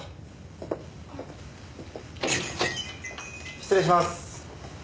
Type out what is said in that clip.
失礼します。